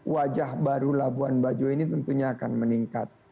wajah baru labuan bajo ini tentunya akan meningkat